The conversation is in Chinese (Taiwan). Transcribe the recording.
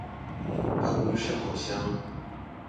辦公室好香